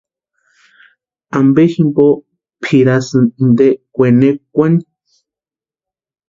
¿Ampe jimpo pʼirasïni inteni kwenekwani?